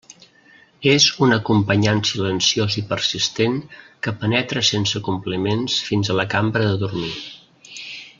És un acompanyant silenciós i persistent que penetra sense compliments fins a la cambra de dormir.